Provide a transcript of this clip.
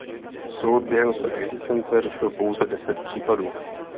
Soud během své existence řešil pouze deset případů.